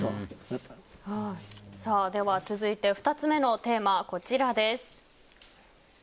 では続いて２つ目のテーマです。